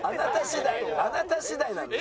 あなた次第なんです。